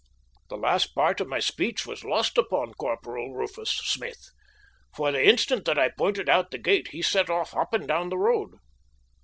The last part of my speech was lost upon Corporal Rufus Smith; for the instant that I pointed out the gate he set off hopping down the road.